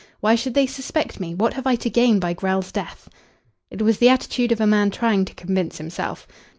"Why should they suspect me? What have I to gain by Grell's death?" It was the attitude of a man trying to convince himself.